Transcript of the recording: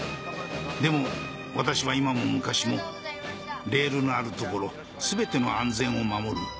でも私は今も昔もレールのある所すべての安全を守る